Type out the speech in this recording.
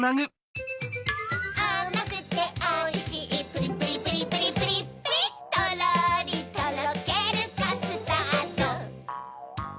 あまくておいしいプリンプリンプリンプリンプリンプリンとろりとろけるカスタード